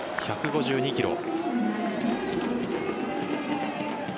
１５２キロ。